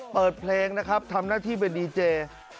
เปิดเพลงนะครับทำหน้าที่เป็นดีเจ